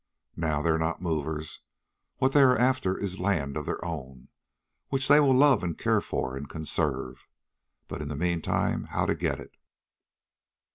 Now they're not movers. What they are after is land of their own, which they will love and care for and conserve. But, in the meantime, how to get it?